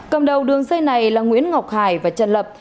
cầm đầu đường dây này là nguyễn ngọc hải và trần lập